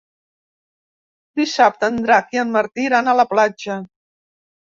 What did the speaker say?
Dissabte en Drac i en Martí iran a la platja.